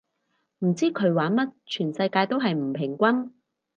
唔知佢玩乜，全世界都係唔平均